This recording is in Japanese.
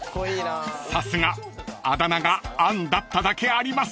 ［さすがあだ名が「あん」だっただけあります］